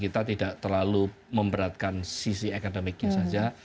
jadi kita tidak terlalu memberatkan sisi akademiknya saja